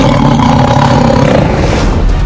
amno ueasa nya merata